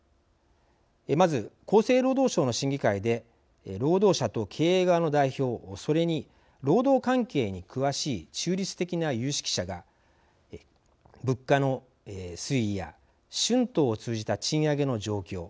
まず厚生労働省の審議会で労働者と経営側の代表それに労働関係に詳しい中立的な有識者が物価の推移や春闘を通じた賃上げの状況